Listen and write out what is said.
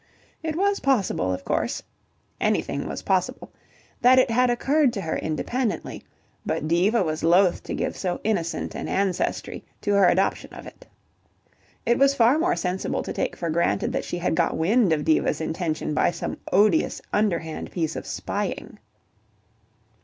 It was possible, of course (anything was possible), that it had occurred to her independently, but Diva was loath to give so innocent an ancestry to her adoption of it. It was far more sensible to take for granted that she had got wind of Diva's invention by some odious, underhand piece of spying.